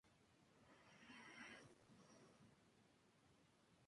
Estas condiciones y factores son fuentes del síndrome de fuga capilar secundario.